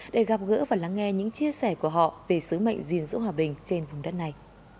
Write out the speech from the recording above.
để gặp gỡ và lắng nghe những chia sẻ của họ về sứ mệnh gìn giữ hòa bình trên vùng đất này